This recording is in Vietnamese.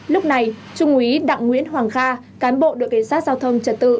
lúc này trung úy đặng nguyễn hoàng kha cán bộ đội cảnh sát giao thông trật tự